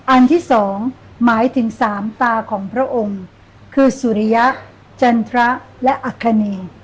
อันที่สองหมายถึงสามตาของพระองค์คือสุริยะจันทรและอัคคเน